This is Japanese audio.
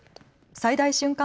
最大瞬間